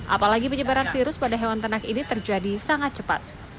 apalagi penyebaran virus pada hewan ternak ini terjadi sangat cepat